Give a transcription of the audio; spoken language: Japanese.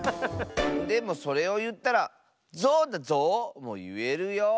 でもそれをいったら「ゾウだゾウ」もいえるよ。